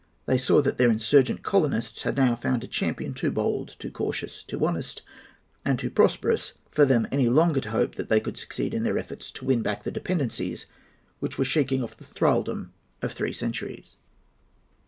They saw that their insurgent colonists had now found a champion too bold, too cautious, too honest, and too prosperous for them any longer to hope that they could succeed in their efforts to win back the dependencies which were shaking off the thraldom of three centuries.